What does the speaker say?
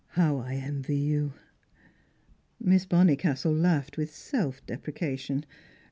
"How I envy you!" Miss Bonnicastle laughed with self deprecation.